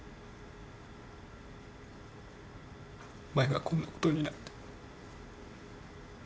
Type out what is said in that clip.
お前がこんなことになって。